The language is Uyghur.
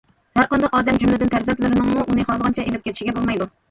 ھەرقانداق ئادەم، جۈملىدىن پەرزەنتلىرىنىڭمۇ ئۇنى خالىغانچە ئېلىپ كېتىشىگە بولمايدۇ.